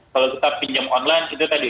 kalau kita pinjam online itu tadi